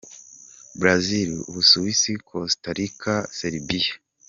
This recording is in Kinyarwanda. Brazil, u Busuwisi, Costa Rica, Serbia